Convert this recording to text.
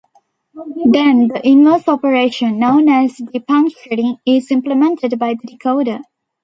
Then, the inverse operation, known as depuncturing, is implemented by the decoder.